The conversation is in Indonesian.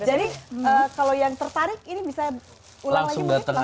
jadi kalau yang tertarik ini bisa ulang lagi langsung datang aja